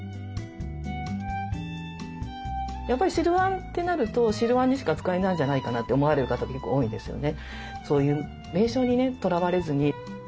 やっぱり汁わんってなると汁わんにしか使えないんじゃないかなって思われる方が結構多いんですよね。